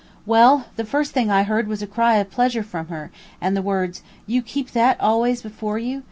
"Well, the first thing I heard was a cry of pleasure from her, and the words, 'You keep that always before you?